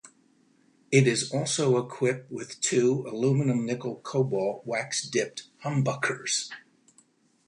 It is also equipped with two AlNiCo wax-dipped humbuckers.